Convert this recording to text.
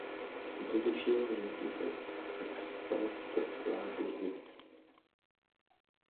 Z opozičního hnutí se tak stalo provládní hnutí.